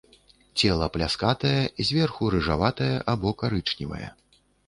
Цела пляскатае, зверху рыжаватае або карычневае.